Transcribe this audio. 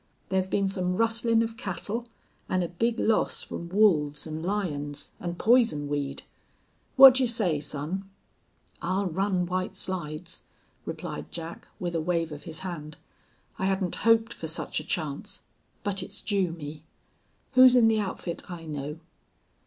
There's been some rustlin' of cattle, an a big loss from wolves an' lions an' poison weed.... What d'you say, son?" "I'll run White Slides," replied Jack, with a wave of his hand. "I hadn't hoped for such a chance. But it's due me. Who's in the outfit I know?"